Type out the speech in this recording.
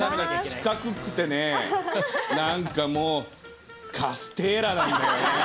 四角くてね、なんかもう、カステーラなんだよね。